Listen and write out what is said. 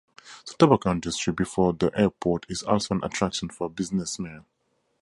The tobacco industry before the Airport is also an attraction for Businessmen.